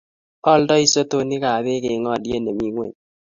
ooldei sotonikab beek eng olyet nemii ing'weny